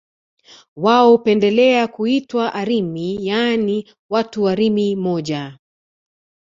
wao hupendelea kuitwa Arimi yaani watu wa Rimi moja